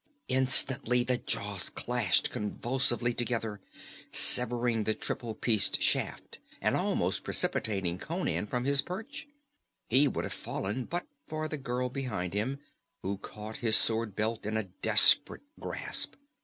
Instantly the jaws clashed convulsively together, severing the triple pieced shaft and almost precipitating Conan from his perch. He would have fallen but for the girl behind him, who caught his sword belt in a desperate grasp.